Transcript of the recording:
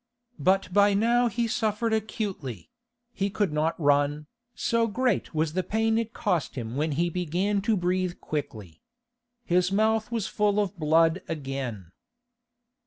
But by now he suffered acutely; he could not run, so great was the pain it cost him when he began to breathe quickly. His mouth was full of blood again.